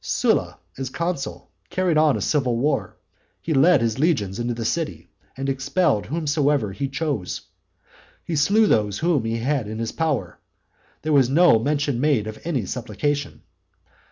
Sylla as consul carried on a civil war; he led his legions into the city and expelled whomsoever he chose; he slew those whom he had in his power: there was no mention made of any supplication.